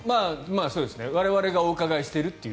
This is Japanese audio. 我々がお伺いしているという。